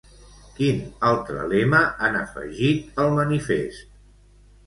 Quin altre lema han afegit al manifest?